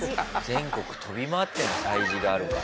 全国飛び回ってるんだ催事があるから。